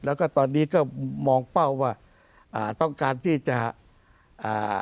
แล้วก็ตอนนี้ก็มองเป้าว่าอ่าต้องการที่จะอ่า